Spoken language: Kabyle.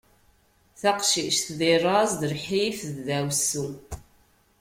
Taqcict deg laẓ d lḥif d ddaɛwessu.